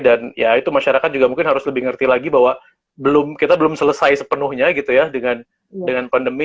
dan ya itu masyarakat juga mungkin harus lebih ngerti lagi bahwa kita belum selesai sepenuhnya gitu ya dengan pandemi